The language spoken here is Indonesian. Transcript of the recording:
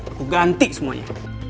aku ganti semuanya